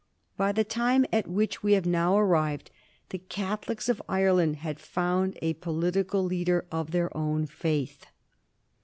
By the time at which we have now arrived the Catholics of Ireland had found a political leader of their own faith.